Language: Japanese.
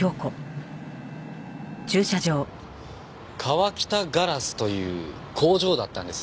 川喜多ガラスという工場だったんですね？